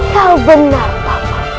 kau benar papa